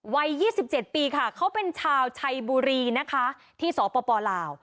วัย๒๗ปีค่ะเขาเป็นชาวชัยบุรีนะคะที่สปลาว